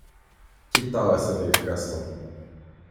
Que tal essa verificação?